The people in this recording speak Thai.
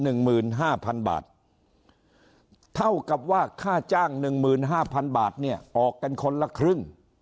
๑หมื่น๕๐๐๐บาทเท่ากับว่าค่าจ้าง๑หมื่น๕๐๐๐บาทเนี่ยออกกันคนละครึ่ง